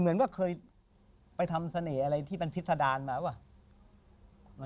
เหมือนเคยไปทำเสน่ห์อะไรที่มันพิษดานมาวะ